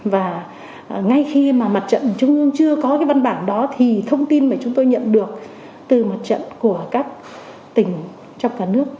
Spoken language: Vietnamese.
và ngay khi mà mặt trận trung ương chưa có cái văn bản đó thì thông tin mà chúng tôi nhận được từ mặt trận của các tỉnh trong cả nước